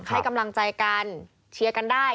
ให้กำลังใจกันเชียร์กันได้